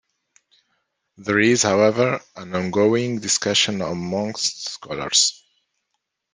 There is, however, an ongoing discussion amongst scholars.